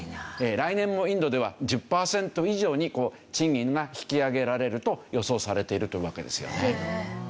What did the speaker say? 来年もインドでは１０パーセント以上に賃金が引き上げられると予想されているというわけですよね。